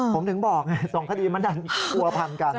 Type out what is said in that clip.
ผมถึงบอกไง๒คดีมันดันผัวพันกัน